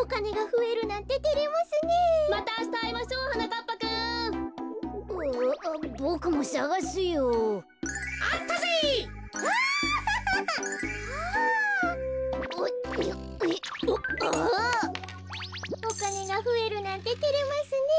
おかねがふえるなんててれますねえ。